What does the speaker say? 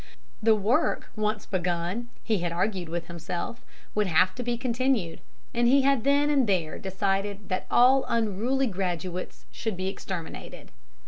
"The work once begun, he had argued with himself, would have to be continued, and he had then and there decided that all unruly undergraduates should be exterminated.